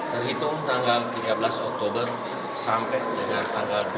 terhitung tanggal tiga belas oktober sampai dengan tanggal dua puluh